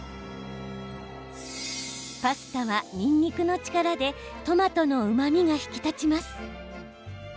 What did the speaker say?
パスタは、にんにくの力でトマトのうまみが引き立ちます。